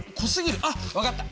あっ分かった。